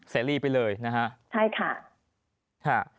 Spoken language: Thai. เซรีไปเลยนะฮะ